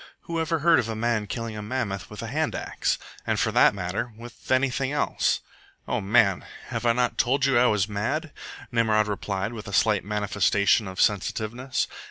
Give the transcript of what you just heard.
"Who ever heard of a man killing a mammoth with a hand axe? And, for that matter, with anything else?" "O man, have I not told you I was mad?" Nimrod replied, with a slight manifestation of sensitiveness.